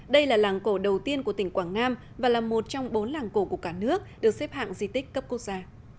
đây là làng cổ đầu tiên của tỉnh quảng nam và là một trong bốn làng cổ của cả nước được xếp hạng di tích cấp quốc gia